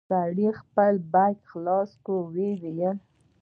سړي خپل بېګ خلاص کړ ويې ويل.